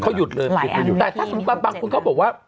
เขาหยุดเลยหยุดแต่ถ้าสมมุติบางคนเขาบอกว่า